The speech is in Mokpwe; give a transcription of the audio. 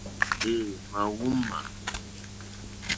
É ǃmá wúŋmā.